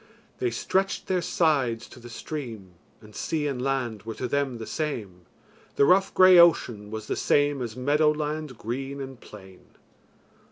They stretched their sides to the stream, And sea and land were to them the same, The rough grey ocean was the same As meadow land green and plain.